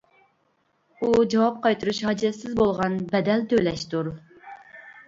ئۇ جاۋاب قايتۇرۇش ھاجەتسىز بولغان بەدەل تۆلەشتۇر.